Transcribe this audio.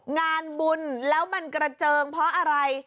งานบุญแล้วมันกระเจิงเพราะอะไร